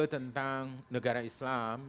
tentang negara islam